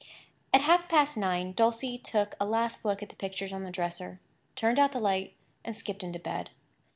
At half past nine Dulcie took a last look at the pictures on the dresser, turned out the light, and skipped into bed.